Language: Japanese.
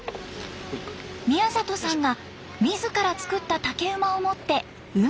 宮里さんが自ら作った竹馬を持って海へ。